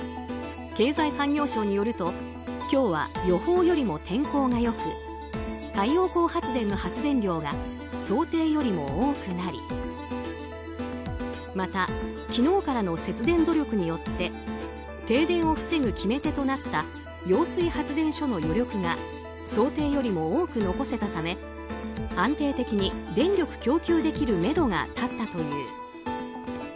経済産業省によると今日は予報よりも天候がよく太陽光発電の発電量が想定よりも多くなりまた昨日からの節電努力によって停電を防ぐ決め手となった揚水発電所の余力が想定よりも多く残せたため安定的に電力供給できるめどが立ったという。